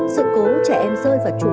sự cố trẻ em rơi vào trụ bê tông